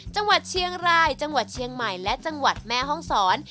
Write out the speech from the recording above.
จังหวัดเชียงรายจังหวัดเชียงใหม่และจังหวัดแม่ห้องศร